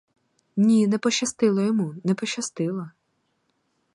Ні, не пощастило йому, не пощастило!